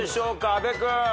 阿部君。